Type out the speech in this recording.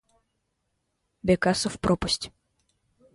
Бекасов пропасть.